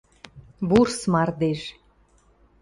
ВУРС МАРДЕЖ